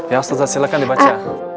ya ustazah silahkan dibaca